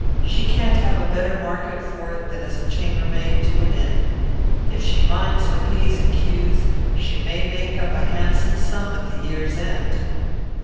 She can't have a better market for it than as chambermaid to an inn. If she minds her p's and q's she may make up a handsome sum at the year's end."